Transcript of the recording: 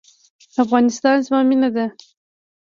افغانستان زما مینه ده؟